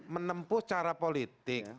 menempuh cara politik